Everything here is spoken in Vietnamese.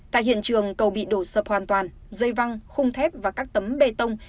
tại hiện trường cầu bị đổ sập hoàn toàn dây văng khung thép và các tấm bê tông